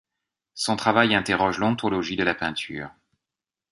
Son travail interroge l'ontologie de la peinture.